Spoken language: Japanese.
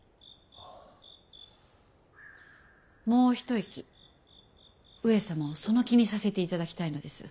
もう一息上様をその気にさせて頂きたいのです。